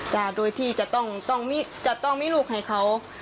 โดยที่จะต้องมีลูกให้เขา